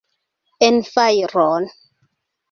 En fajron!